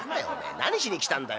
何しに来たんだよ。